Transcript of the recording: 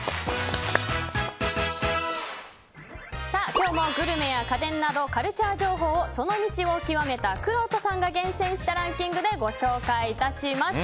今日もグルメや家電などカルチャー情報をその道を究めたくろうとさんが厳選したランキングでご紹介致します。